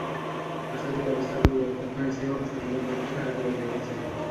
আশা করি, অবস্থার পরিবর্তন হয়েছে এবং সততার পক্ষে থাকার লোক বেড়েছে।